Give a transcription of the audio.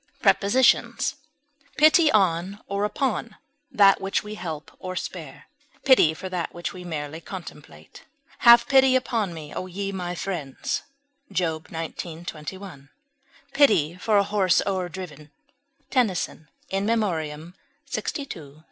Prepositions: Pity on or upon that which we help or spare; pity for that which we merely contemplate; "have pity upon me, O ye my friends," Job xix, 21; "pity for a horse o'erdriven," TENNYSON In Memoriam lxii, st. 1.